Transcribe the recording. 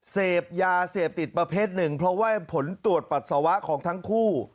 เสพยาเสพติดประเภทหนึ่งเพราะว่าผลตรวจปัสสาวะของทั้งคู่